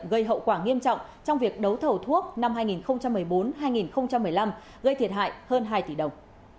gây hậu quả nghiêm trọng trong việc đấu thầu thuốc năm hai nghìn một mươi bốn hai nghìn một mươi năm gây thiệt hại hơn hai tỷ đồng